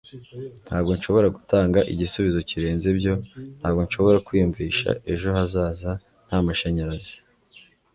Ntabwo nshobora gutanga igisubizo kirenze ibyo. Ntabwo nshobora kwiyumvisha ejo hazaza nta mashanyarazi.